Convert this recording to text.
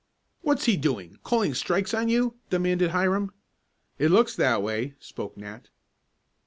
"What's he doing, calling strikes on you?" demanded Hiram. "It looks that way," spoke Nat.